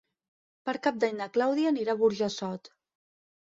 Per Cap d'Any na Clàudia anirà a Burjassot.